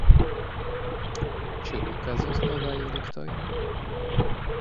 Ĉu okazos novaj elektoj?